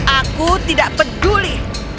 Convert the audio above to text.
aku tidak peduli